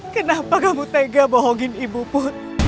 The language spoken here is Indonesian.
kenapa kamu tega bohongin ibu bu